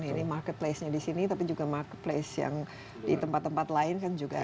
ini marketplace nya di sini tapi juga marketplace yang di tempat tempat lain kan juga